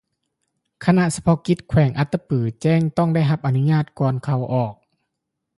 ຄະນະສະເພາະກິດແຂວງອັດຕະປືແຈ້ງ ຕ້ອງໄດ້ຮັບອະນຸຍາດກ່ອນ ເຂົ້າ-ອອກ